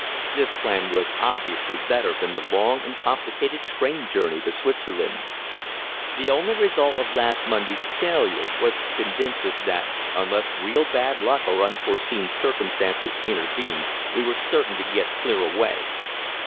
This plan was obviously better than the long and complicated train journey to Switzerland. The only result of last Monday's failure was to convince us that, unless real bad luck or unforeseen circumstances intervened, we were certain to get clear away.